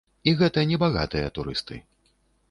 І гэта небагатыя турысты.